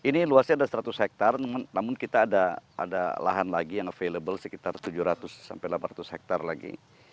ini luasnya ada seratus hektare namun kita ada lahan lagi yang available sekitar tujuh ratus sampai delapan ratus hektare lagi